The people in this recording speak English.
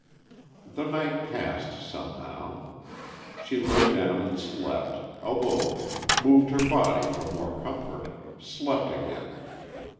The night passed somehow. She lay down and slept, awoke, moved her body for more comfort, slept again.